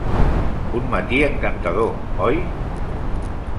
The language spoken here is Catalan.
Un matí encantador, oi?